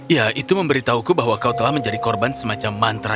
ya itu memberitahuku bahwa kau telah menjadi korban semacam mantra